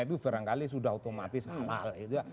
itu barangkali sudah otomatis halal gitu